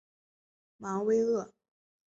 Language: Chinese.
芒维厄。